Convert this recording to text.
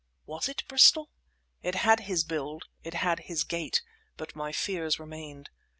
Was it Bristol? It had his build, it had his gait; but my fears remained.